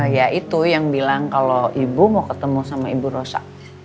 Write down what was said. ya itu yang bilang kalau ibu mau ketemu sama ibu rosa